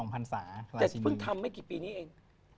แต่เพิ่งทำไม่กี่ปีนี้เอง